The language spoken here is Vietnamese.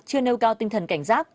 chưa nêu cao tinh thần cảnh giác